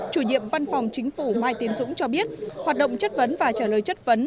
chủ nhiệm văn phòng chính phủ mai tiến dũng cho biết hoạt động chất vấn và trả lời chất vấn